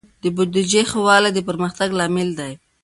د بودیجې ښه والی د پرمختګ لامل دی.